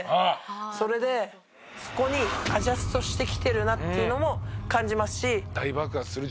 それでそこにアジャストしてきてるなっていうのも感じますし。